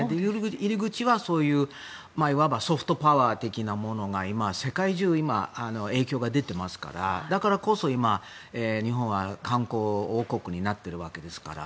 入り口は、そういういわばソフトパワー的なものが今、世界中影響が出ていますからだからこそ日本は観光王国になっているわけですから。